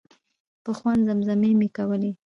په خوند زمزمې یې کولې.